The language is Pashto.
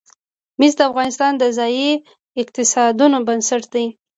مس د افغانستان د ځایي اقتصادونو بنسټ دی.